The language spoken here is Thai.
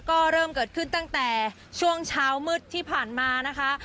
ก็เริ่มเกิดขึ้นตั้งแต่ช่วงเช้ามืดที่ผ่านมานะคะ